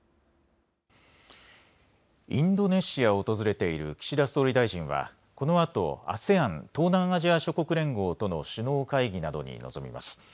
インドネシアを訪れている岸田総理大臣はこのあとＡＳＥＡＮ・東南アジア諸国連合との首脳会議などに臨みます。